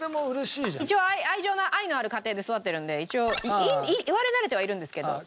一応愛情の愛のある家庭で育ってるんで一応言われ慣れてはいるんですけど。